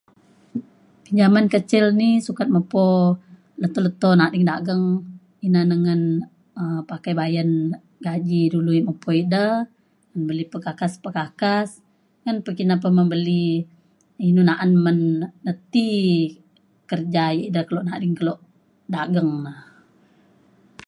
pinjamin kecil ni sukat mepo leto leto nading dageng ina na ngan um pakai bayen gaji dulu ia' mepo ida. beli pekakas pekakas ngan pekina pa membeli inu na'an men le ti kerja ida kelo nading kelo dageng na.